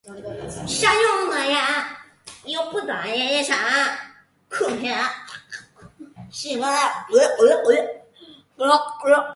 登山小徑